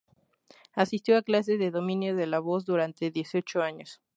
Asistió a clases de dominio de la voz durante dieciocho años.